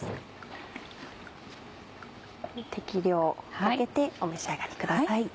適量かけてお召し上がりください。